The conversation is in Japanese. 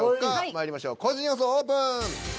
まいりましょう個人予想オープン。